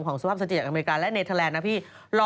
ของสภาพสถิติอเมริกาและเนเทอร์แลนด์นะพี่